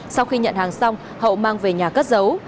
sau khi nhận hàng xong hậu mang về nhà cất giấu